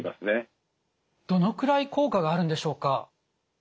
どのくらい効果があるんでしょうか？